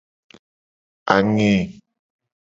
Ange.